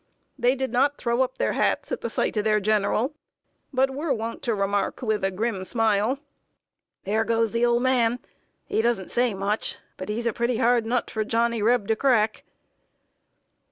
They did not throw up their hats at sight of their general, but were wont to remark, with a grim smile: "There goes the old man. He doesn't say much; but he's a pretty hard nut for Johnny Reb. to crack."